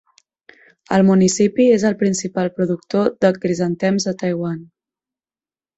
El municipi és el principal productor de crisantems a Taiwan.